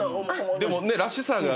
でもねらしさが。